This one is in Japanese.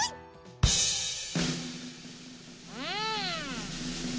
うん。